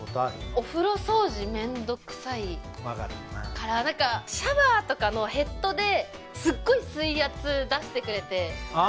お風呂掃除面倒くさい分かるなから何かシャワーとかのヘッドですっごい水圧出してくれてああ